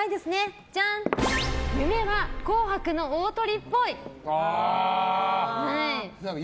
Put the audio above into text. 夢は「紅白」の大トリっぽい。